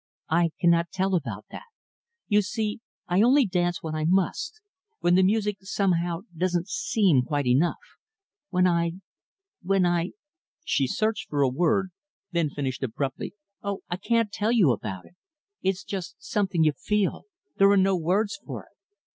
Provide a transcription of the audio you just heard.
"I cannot tell about that. You see, I only dance when I must when the music, somehow, doesn't seem quite enough. When I when I" she searched for a word, then finished abruptly "oh, I can't tell you about it it's just something you feel there are no words for it.